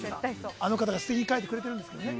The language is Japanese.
あの方が素敵に書いてくれてるんですけどね。